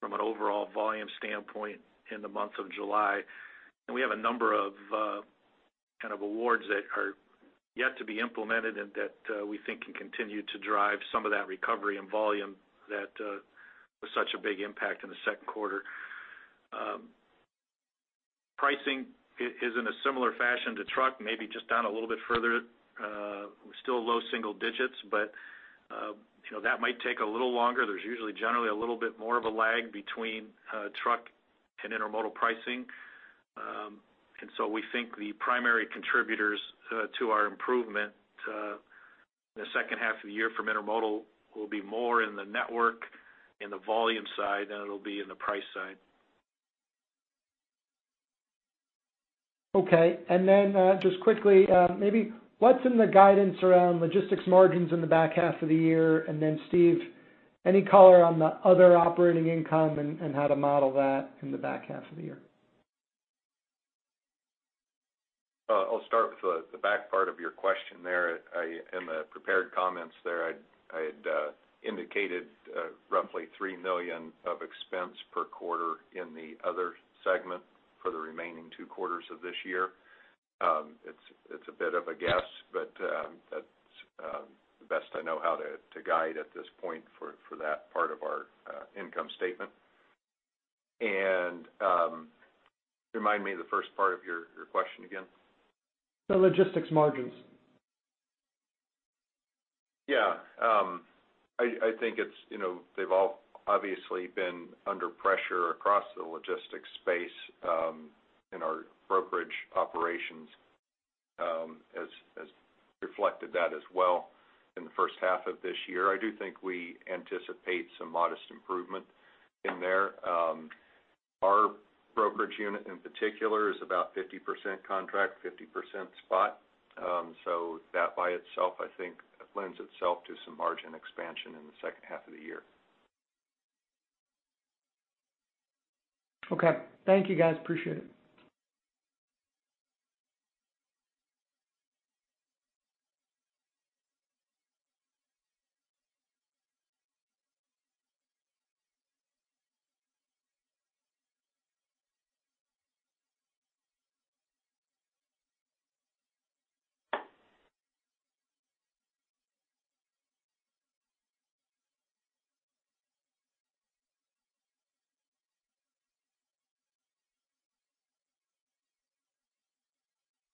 from an overall volume standpoint in the month of July. And we have a number of kind of awards that are yet to be implemented and that we think can continue to drive some of that recovery and volume that was such a big impact in the second quarter. Pricing is in a similar fashion to truck, maybe just down a little bit further, still low single digits, but you know, that might take a little longer. There's usually generally a little bit more of a lag between truck and intermodal pricing. We think the primary contributors to our improvement in the second half of the year from intermodal will be more in the network and the volume side than it'll be in the price side. Okay. And then, just quickly, maybe what's in the guidance around logistics margins in the back half of the year? And then, Steve, any color on the other operating income and how to model that in the back half of the year?... I'll start with the back part of your question there. In the prepared comments there, I had indicated roughly $3 million of expense per quarter in the other segment for the remaining two quarters of this year. It's a bit of a guess, but that's the best I know how to guide at this point for that part of our income statement. Remind me the first part of your question again? The logistics margins. Yeah. I think it's, you know, they've all obviously been under pressure across the logistics space, in our brokerage operations, as has reflected that as well in the first half of this year. I do think we anticipate some modest improvement in there. Our brokerage unit, in particular, is about 50% contract, 50% spot. So that by itself, I think, lends itself to some margin expansion in the second half of the year. Okay. Thank you, guys. Appreciate it.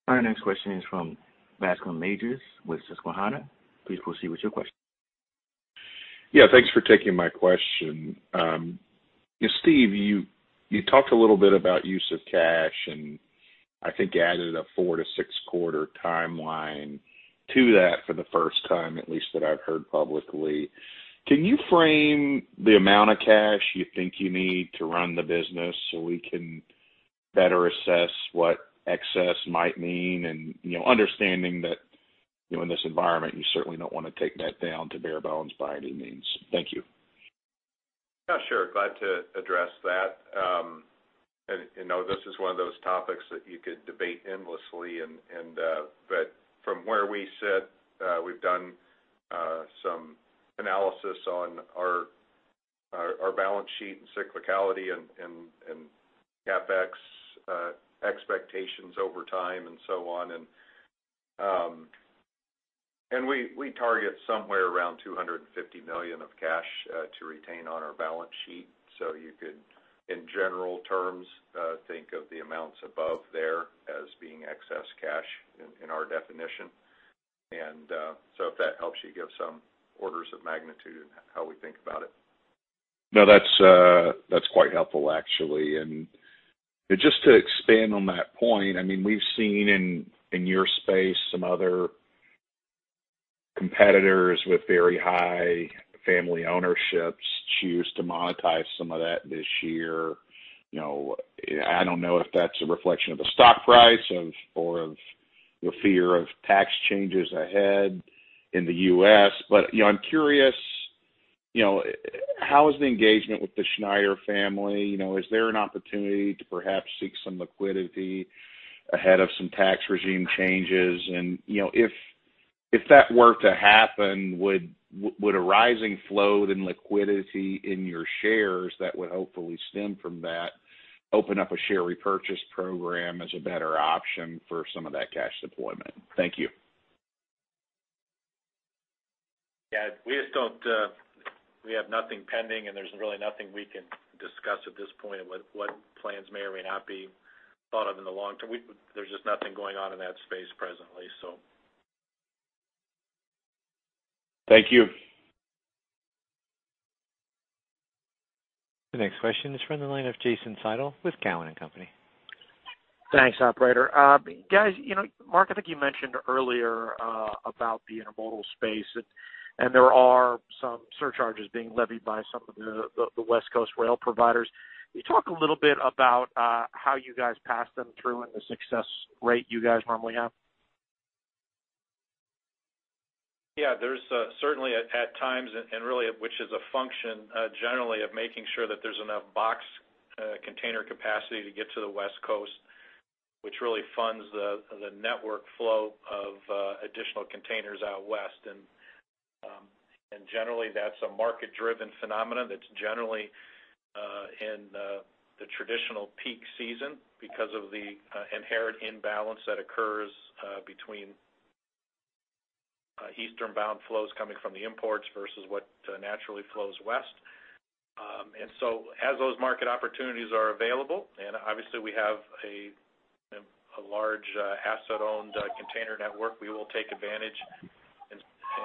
Our next question is from Bascome Majors with Susquehanna. Please proceed with your question. Yeah, thanks for taking my question. Steve, you talked a little bit about use of cash, and I think added a 4-6 quarter timeline to that for the first time, at least that I've heard publicly. Can you frame the amount of cash you think you need to run the business, so we can better assess what excess might mean? And, you know, understanding that, you know, in this environment, you certainly don't want to take that down to bare bones by any means. Thank you. Yeah, sure. Glad to address that. I know this is one of those topics that you could debate endlessly, but from where we sit, we've done some analysis on our balance sheet and cyclicality and CapEx expectations over time and so on. We target somewhere around $250 million of cash to retain on our balance sheet. So you could, in general terms, think of the amounts above there as being excess cash in our definition. So if that helps you give some orders of magnitude in how we think about it. No, that's, that's quite helpful, actually. And just to expand on that point, I mean, we've seen in your space some other competitors with very high family ownerships choose to monetize some of that this year. You know, I don't know if that's a reflection of the stock price of, or of the fear of tax changes ahead in the U.S. But, you know, I'm curious, you know, how is the engagement with the Schneider family? You know, is there an opportunity to perhaps seek some liquidity ahead of some tax regime changes? And, you know, if that were to happen, would a rising flow, then, liquidity in your shares that would hopefully stem from that, open up a share repurchase program as a better option for some of that cash deployment? Thank you. Yeah, we just don't, we have nothing pending, and there's really nothing we can discuss at this point with what plans may or may not be thought of in the long term. There's just nothing going on in that space presently, so. Thank you. The next question is from the line of Jason Seidl with Cowen and Company. Thanks, operator. Guys, you know, Mark, I think you mentioned earlier about the intermodal space, and there are some surcharges being levied by some of the West Coast rail providers. Can you talk a little bit about how you guys pass them through and the success rate you guys normally have? Yeah, there's certainly at times, and really which is a function generally of making sure that there's enough box container capacity to get to the West Coast, which really funds the network flow of additional containers out west. And generally, that's a market-driven phenomenon, that's generally in the traditional peak season because of the inherent imbalance that occurs between eastern bound flows coming from the imports versus what naturally flows west. And so as those market opportunities are available, and obviously we have a large asset-owned container network, we will take advantage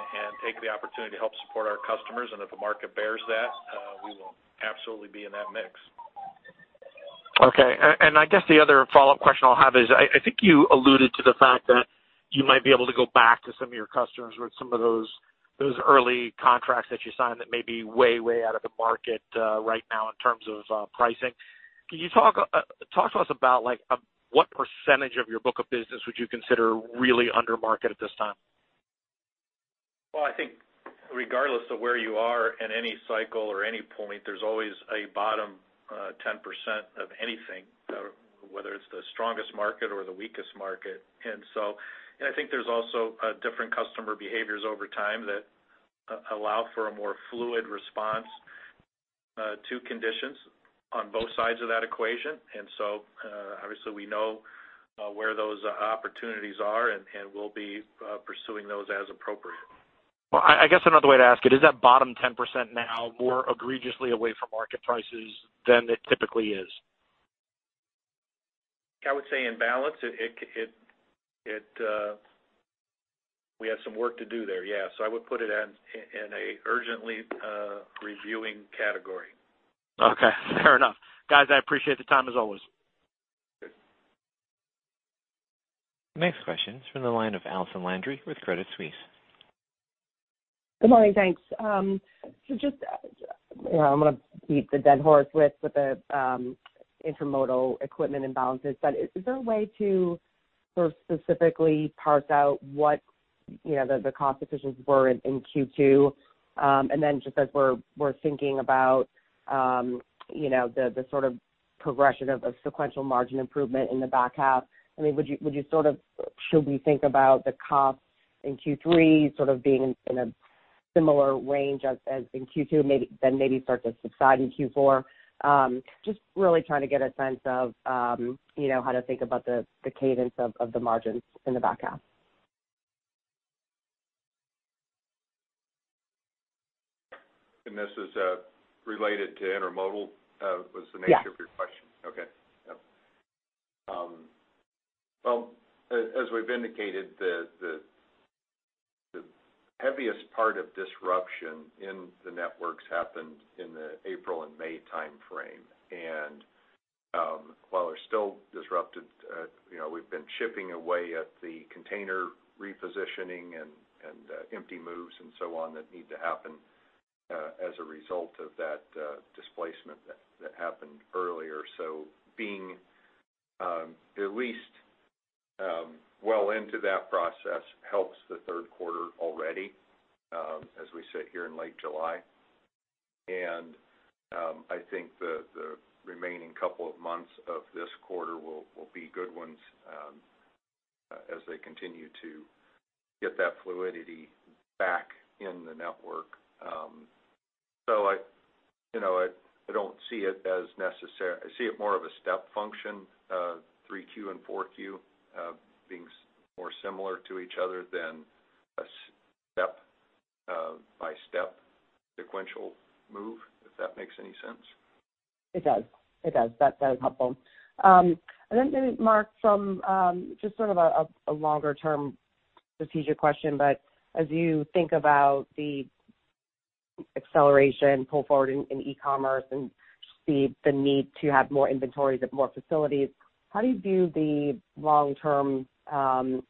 and take the opportunity to help support our customers, and if the market bears that, we will absolutely be in that mix. Okay. And I guess the other follow-up question I'll have is, I think you alluded to the fact that you might be able to go back to some of your customers with some of those early contracts that you signed that may be way out of the market right now in terms of pricing. Can you talk to us about, like, what percentage of your book of business would you consider really under market at this time? ... Well, I think regardless of where you are in any cycle or any point, there's always a bottom 10% of anything, whether it's the strongest market or the weakest market. And so, and I think there's also different customer behaviors over time that allow for a more fluid response to conditions on both sides of that equation. And so, obviously, we know where those opportunities are, and we'll be pursuing those as appropriate. Well, I, I guess another way to ask it, is that bottom 10% now more egregiously away from market prices than it typically is? I would say in balance, it, we have some work to do there. Yeah, so I would put it in a urgently reviewing category. Okay, fair enough. Guys, I appreciate the time, as always. Good. Next question is from the line of Allison Landry with Credit Suisse. Good morning, thanks. So just, you know, I'm gonna beat the dead horse with the intermodal equipment imbalances, but is there a way to sort of specifically parse out what, you know, the competitions were in Q2? And then just as we're thinking about, you know, the sort of progression of sequential margin improvement in the back half, I mean, would you sort of, should we think about the comp in Q3 sort of being in a similar range as in Q2, maybe, then maybe start to subside in Q4? Just really trying to get a sense of, you know, how to think about the cadence of the margins in the back half. And this is related to intermodal, was the nature- Yeah... of your question? Okay. Yeah. Well, as we've indicated, the heaviest part of disruption in the networks happened in the April and May timeframe. While they're still disrupted, you know, we've been chipping away at the container repositioning and empty moves and so on, that need to happen as a result of that displacement that happened earlier. Being at least well into that process helps the third quarter already, as we sit here in late July. I think the remaining couple of months of this quarter will be good ones, as they continue to get that fluidity back in the network. So, you know, I don't see it as necessary. I see it more of a step function, 3Q and 4Q being more similar to each other than a step-by-step sequential move, if that makes any sense. It does. It does. That's very helpful. And then, maybe, Mark, some, just sort of a longer term strategic question, but as you think about the acceleration pull forward in e-commerce and the need to have more inventories at more facilities, how do you view the long-term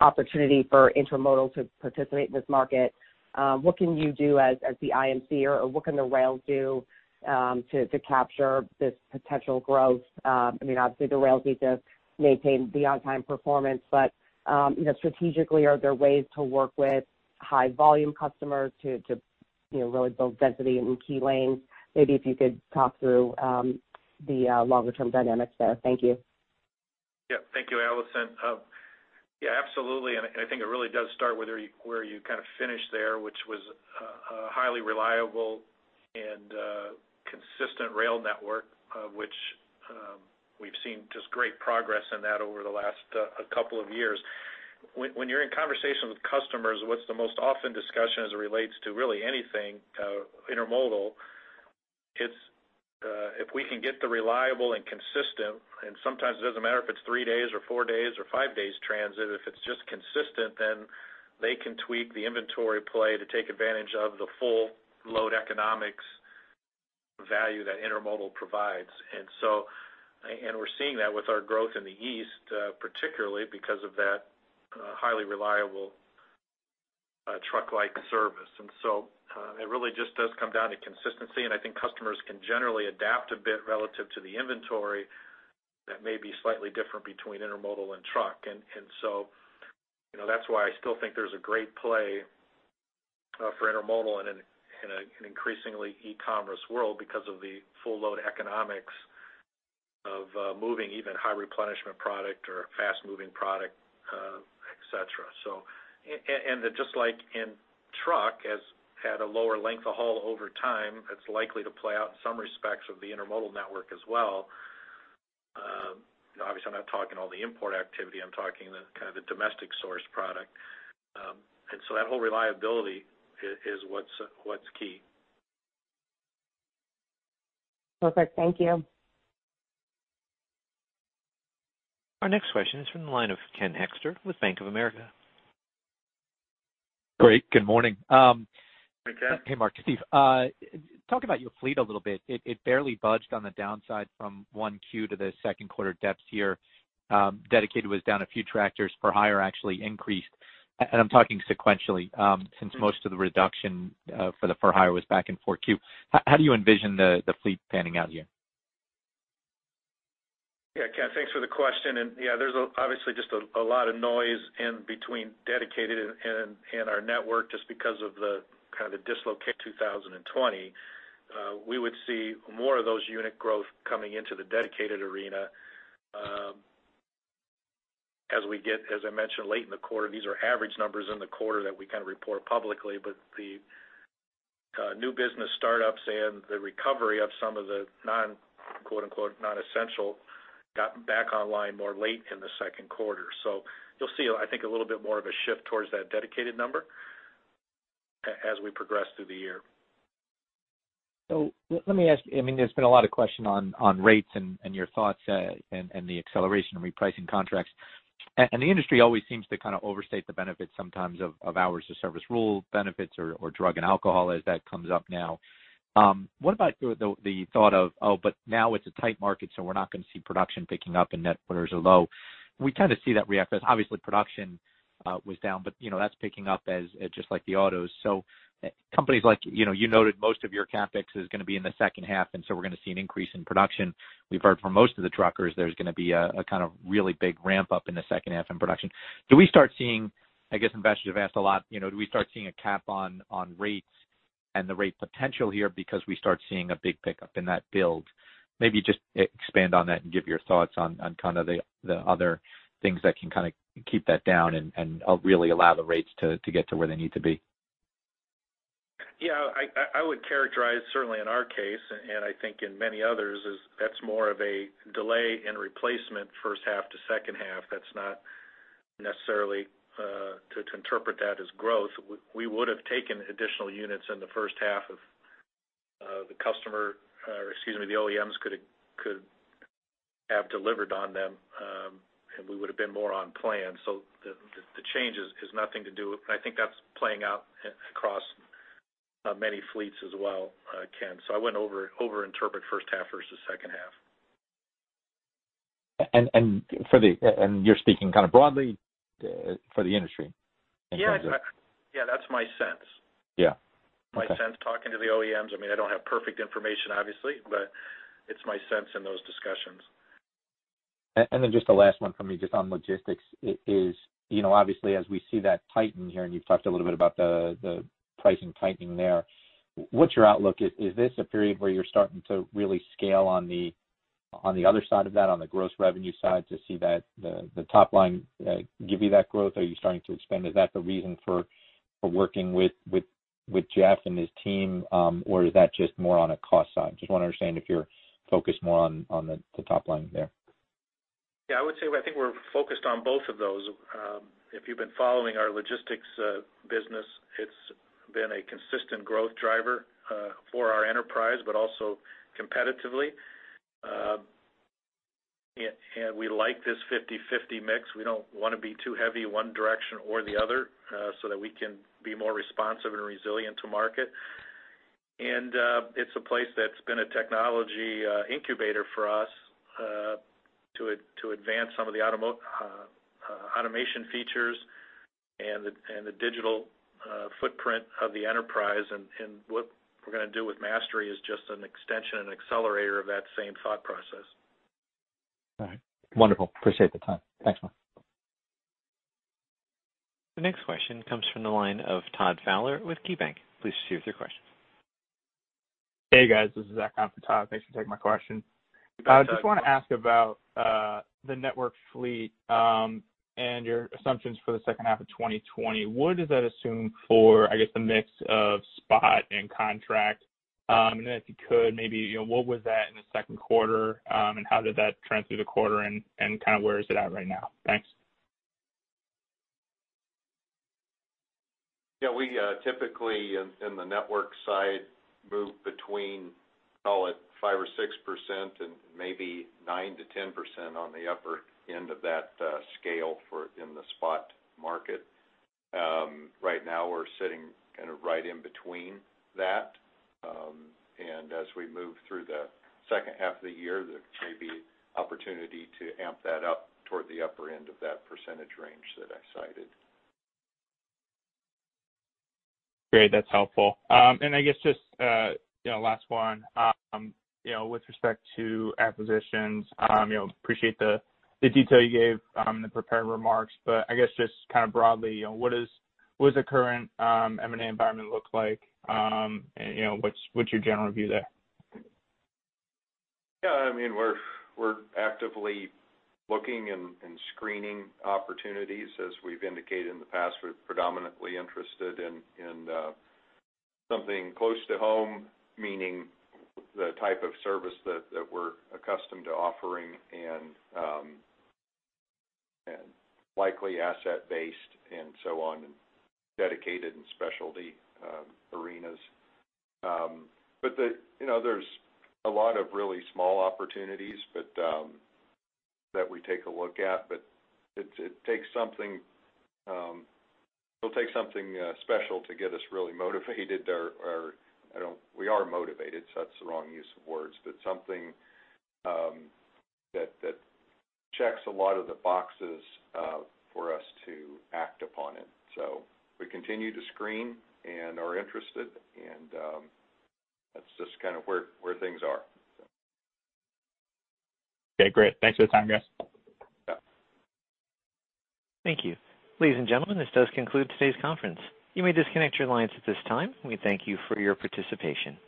opportunity for intermodal to participate in this market? What can you do as the IMC, or what can the rail do to capture this potential growth? I mean, obviously, the rails need to maintain the on-time performance, but you know, strategically, are there ways to work with high volume customers to really build density in key lanes? Maybe if you could talk through the longer term dynamics there. Thank you. Yeah. Thank you, Allison. Yeah, absolutely, and I think it really does start where you kind of finished there, which was a highly reliable and consistent rail network, which we've seen just great progress in that over the last a couple of years. When you're in conversations with customers, what's the most often discussion as it relates to really anything intermodal, it's if we can get the reliable and consistent, and sometimes it doesn't matter if it's three days or four days or five days transit, if it's just consistent, then they can tweak the inventory play to take advantage of the full load economics value that intermodal provides. And so we're seeing that with our growth in the East, particularly because of that highly reliable truck-like service. It really just does come down to consistency, and I think customers can generally adapt a bit relative to the inventory that may be slightly different between Intermodal and truck. And so, you know, that's why I still think there's a great play for Intermodal in an increasingly e-commerce world, because of the full load economics of moving even high replenishment product or fast moving product, et cetera. And then just like in truck, as had a lower length of haul over time, it's likely to play out in some respects of the Intermodal network as well. Obviously, I'm not talking all the import activity. I'm talking the kind of the domestic source product. And so that whole reliability is what's key. Perfect. Thank you. Our next question is from the line of Ken Hoexter with Bank of America Corporation. Great. Good morning. Hi, Ken. Hey, Mark, Steve. Talk about your fleet a little bit. It, it barely budged on the downside from 1Q to the second quarter depths here. Dedicated was down a few tractors, for hire actually increased, and I'm talking sequentially, since most of the reduction for the for hire was back in 4Q. How do you envision the, the fleet panning out here? ... Yeah, thanks for the question. And, yeah, there's obviously just a lot of noise in between dedicated and our network, just because of the kind of the dislocation of 2020. We would see more of those unit growth coming into the dedicated arena, as I mentioned, late in the quarter. These are average numbers in the quarter that we kind of report publicly, but the new business startups and the recovery of some of the non, quote-unquote, non-essential, got back online more late in the second quarter. So you'll see, I think, a little bit more of a shift towards that dedicated number as we progress through the year. So let me ask you, I mean, there's been a lot of question on rates and your thoughts and the acceleration in repricing contracts. And the industry always seems to kind of overstate the benefits sometimes of hours of service rule benefits or drug and alcohol, as that comes up now. What about the thought of, oh, but now it's a tight market, so we're not gonna see production picking up and net orders are low? We tend to see that react. Obviously, production was down, but you know, that's picking up just like the autos. So companies like, you know, you noted most of your CapEx is gonna be in the second half, and so we're gonna see an increase in production. We've heard from most of the truckers, there's gonna be a kind of really big ramp up in the second half in production. Do we start seeing... I guess investors have asked a lot, you know, do we start seeing a cap on rates and the rate potential here because we start seeing a big pickup in that build? Maybe just expand on that and give your thoughts on kind of the other things that can kind of keep that down and really allow the rates to get to where they need to be. Yeah, I would characterize, certainly in our case, and I think in many others, that's more of a delay in replacement first half to second half. That's not necessarily to interpret that as growth. We would have taken additional units in the first half if the customer, or excuse me, the OEMs could have delivered on them, and we would have been more on plan. So the change is nothing to do... And I think that's playing out across many fleets as well, Ken. So I wouldn't overinterpret first half versus second half. you're speaking kind of broadly for the industry in terms of- Yeah, yeah, that's my sense. Yeah. Okay. My sense talking to the OEMs, I mean, I don't have perfect information, obviously, but it's my sense in those discussions. And then just the last one from me, just on logistics, is, you know, obviously, as we see that tighten here, and you've talked a little bit about the, the pricing tightening there, what's your outlook? Is, is this a period where you're starting to really scale on the, on the other side of that, on the gross revenue side, to see that the, the top line, give you that growth? Are you starting to expand? Is that the reason for, for working with, with, with Jeff and his team, or is that just more on a cost side? Just want to understand if you're focused more on, on the, the top line there. Yeah, I would say, I think we're focused on both of those. If you've been following our logistics business, it's been a consistent growth driver for our enterprise, but also competitively. And we like this 50/50 mix. We don't want to be too heavy one direction or the other, so that we can be more responsive and resilient to market. And it's a place that's been a technology incubator for us to advance some of the automation features and the digital footprint of the enterprise. And what we're gonna do with Mastery is just an extension and accelerator of that same thought process. All right. Wonderful. Appreciate the time. Thanks a lot. The next question comes from the line of Todd Fowler with KeyBanc. Please proceed with your question. Hey, guys, this is Zach on for Todd. Thanks for taking my question. Gotcha. Just want to ask about the network fleet and your assumptions for the second half of 2020. What does that assume for, I guess, the mix of spot and contract? And then if you could, maybe, you know, what was that in the second quarter and how did that trend through the quarter, and, and kind of where is it at right now? Thanks. Yeah, we typically in the network side move between, call it 5% or 6% and maybe 9%-10% on the upper end of that scale for in the spot market. Right now, we're sitting kind of right in between that. And as we move through the second half of the year, there may be opportunity to amp that up toward the upper end of that percentage range that I cited. Great, that's helpful. And I guess just, you know, last one, you know, with respect to acquisitions, you know, appreciate the, the detail you gave, in the prepared remarks, but I guess just kind of broadly, you know, what does, what does the current, M&A environment look like? And, you know, what's, what's your general view there? Yeah, I mean, we're actively looking and screening opportunities. As we've indicated in the past, we're predominantly interested in something close to home, meaning the type of service that we're accustomed to offering and likely asset-based and so on, and dedicated and specialty arenas. But you know, there's a lot of really small opportunities, but that we take a look at, but it takes something. It'll take something special to get us really motivated, or we are motivated, so that's the wrong use of words, but something that checks a lot of the boxes for us to act upon it. So we continue to screen and are interested, and that's just kind of where things are. Okay, great. Thanks for the time, guys. Yeah. Thank you. Ladies and gentlemen, this does conclude today's conference. You may disconnect your lines at this time, and we thank you for your participation.